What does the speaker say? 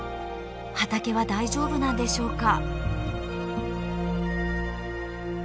畑は大丈夫なんでしょうか。